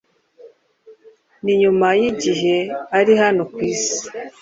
Ni nyumay’igihe ari hano ku Isi